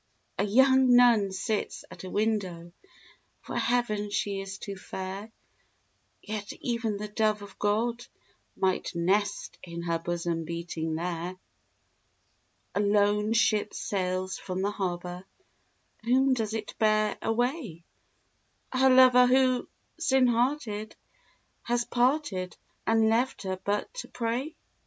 A young nun sits at a window; For Heaven she is too fair; Yet even the dove of God might nest In her bosom beating there. A lone ship sails from the harbour: Whom does it bear away? Her lover who, sin hearted, has parted And left her but to pray?